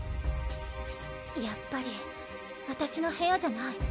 やっぱり私の部屋じゃない。